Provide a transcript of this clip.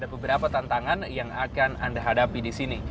ada beberapa tantangan yang akan anda hadapi di sini